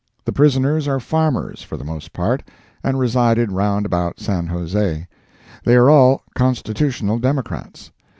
The prisoners are farmers, for the most part, and resided round about San Jose; they are all Constitutional Democrats.